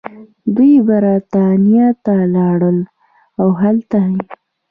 دوي برطانيه ته لاړل او هلتۀ ئې